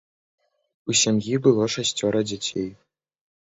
У сям'і было шасцёра дзяцей.